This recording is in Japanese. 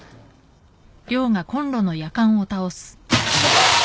あっ！